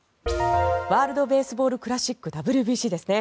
ワールド・ベースボール・クラシックＷＢＣですね